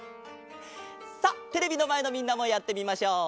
さっテレビのまえのみんなもやってみましょう！